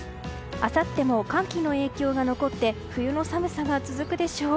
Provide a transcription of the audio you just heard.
あさっても寒気の影響が残って冬の寒さが続くでしょう。